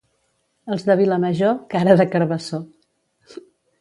Els de Vilamajor, cara de carbassó